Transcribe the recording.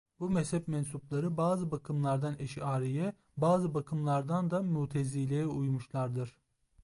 Bu mezhep mensupları bazı bakımlardan Eşariye'ye bazı bakımlardan da Mutezile'ye uymuşlardır.